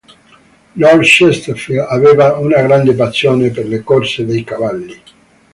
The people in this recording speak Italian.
Lord Chesterfield aveva una grande passione per le corse dei cavalli.